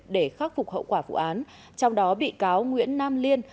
để khắc phục hậu quả vụ án trong đó bị cáo nguyễn nam liên